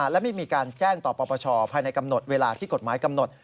และไม่มีการแจ้งต่อปปชภายในกำหนดเวลาที่กฎหมายกำหนด